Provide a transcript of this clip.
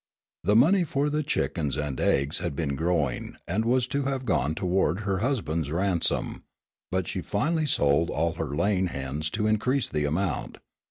The money for the chickens and eggs had been growing and was to have gone toward her husband's ransom, but she finally sold all her laying hens to increase the amount.